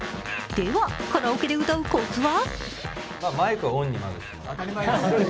では、カラオケで歌うコツは？